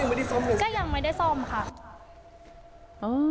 ยังไม่ได้ซ่อมเหรอคะก็ยังไม่ได้ซ่อมค่ะ